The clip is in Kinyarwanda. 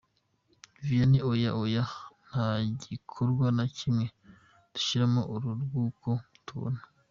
Vianney: Oya, Oya! Nta gikorwa na kimwe dushyiramo uru rwunguko tubona.